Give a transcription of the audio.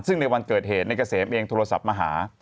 ซึ่งในวันเกิดเหตุในเกษมเองโทรศัพท์มาหา